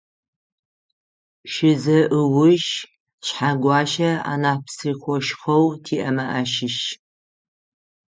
Пшызэ ыуж Шъхьэгуащэ анахь псыхъошхоу тиӏэмэ ащыщ.